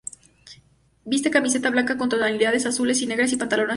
Viste camiseta blanca con tonalidades azules y negras, y pantalón azul.